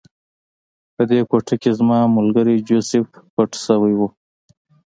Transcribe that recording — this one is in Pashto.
په دې کوټه کې زما ملګری جوزف پټ شوی و